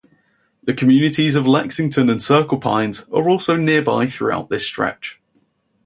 The communities of Lexington and Circle Pines are also nearby throughout this stretch.